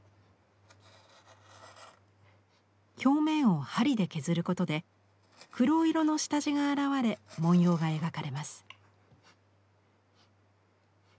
表面を針で削ることで黒色の下地が現れ文様が描かれます。